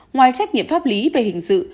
ngoài trách nhiệm pháp lý về hình sự